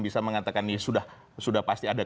bisa mengatakan ini sudah pasti ada